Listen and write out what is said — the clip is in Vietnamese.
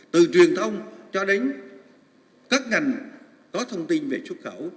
từ truyền thông cho đến các ngành có thông tin về xuất khẩu